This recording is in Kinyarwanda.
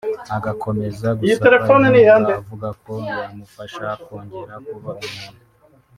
agakomeza gusaba inkunga avuga ko yamufasha kongera kuba umuntu